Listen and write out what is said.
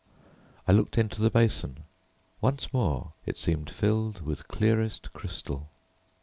I looked into the basin. Once more it seemed filled with clearest crystal.